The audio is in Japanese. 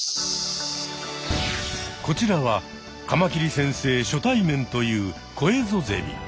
こちらはカマキリ先生初対面というコエゾゼミ。